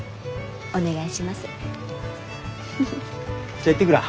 じゃ行ってくら。